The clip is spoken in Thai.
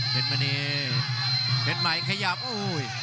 เพชรใหม่นี่เพชรใหม่ขยับโอ้โห